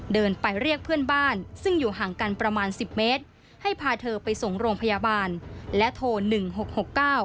เดินไปเรียกเพื่อนบ้านซึ่งอยู่ห่างกันประมาณสิบเมตรให้พาเธอไปส่งโรงพยาบาลและโทรหนึ่งหกหกเก้า